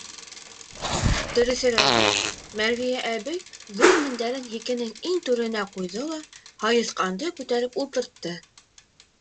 Дөрөҫөрәге, Мәрвиә әбей ҙур мендәрен һикенең иң түренә ҡуйҙы ла һайыҫҡанды күтәреп ултыртты.